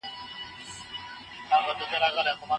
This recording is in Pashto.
متخصصينو د غير اقتصادي شرايطو اغېزې ارزولې وې.